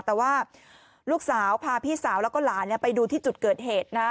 แต่ว่าลูกสาวพาพี่สาวแล้วก็หลานไปดูที่จุดเกิดเหตุนะ